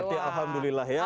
berarti alhamdulillah ya